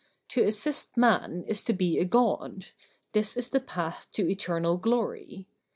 To assist man is to be a God; this is the path to eternal glory.